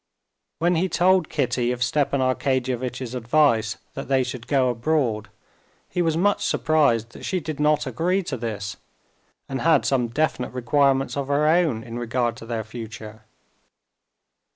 When he told Kitty of Stepan Arkadyevitch's advice that they should go abroad, he was much surprised that she did not agree to this, and had some definite requirements of her own in regard to their future.